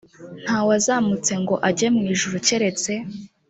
ntawazamutse ngo ajye mu ijuru keretse